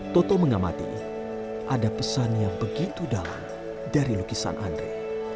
toto mengamati ada pesan yang begitu dalam dari lukisan andre